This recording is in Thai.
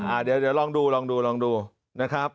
อ่าเดี๋ยวลองดูนะครับ